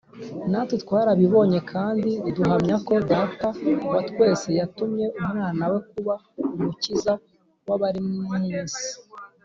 Natwe twarabibonye, kandi duhamya ko Data wa twese yatumye Umwana we kuba Umukiza w’abari mu isi.